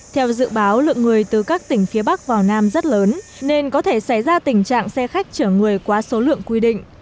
theo dự báo lượng người từ các tỉnh phía bắc vào nam rất lớn nên có thể xảy ra tình trạng xe khách chở người quá số lượng quy định